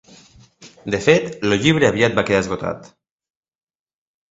De fet, el llibre aviat va quedar esgotat.